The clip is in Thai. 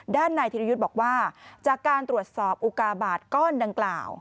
ด้านนายธิรยุทธ์บอกว่าจากการตรวจสอบอุกาบาทก้อนดังกล่าว